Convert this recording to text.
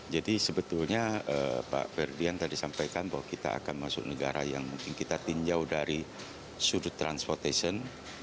jadi sebetulnya pak ferdian tadi sampaikan bahwa kita akan masuk negara yang mungkin kita tinjau dari sudut transportation